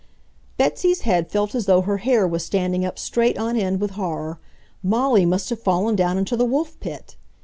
Betsy's head felt as though her hair were standing up straight on end with horror. Molly must have fallen down into the Wolf Pit!